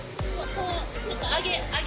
こうちょっと上げ。